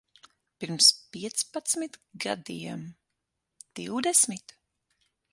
Pirms piecpadsmit gadiem? Divdesmit?